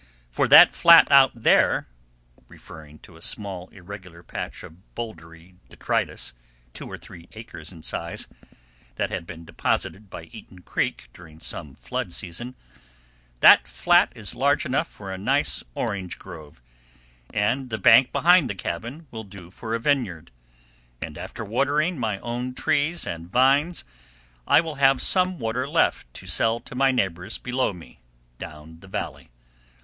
For that flat out there," referring to a small, irregular patch of bouldery detritus, two or three acres in size, that had been deposited by Eaton Creek during some flood season,—"that flat is large enough for a nice orange grove, and the bank behind the cabin will do for a vineyard, and after watering my own trees and vines I will have some water left to sell to my neighbors below me, down the valley.